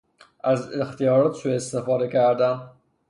از اختیارات سوء استفاده کردن